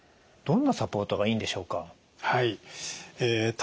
どんなサポートがいいんでしょうか？